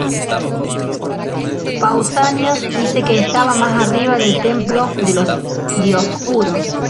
Pausanias dice que estaba más arriba del templo de los Dioscuros.